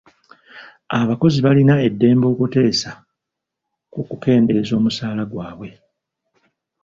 Abakozi balina eddembe okuteesa ku kukendeeza omusaala gwabwe.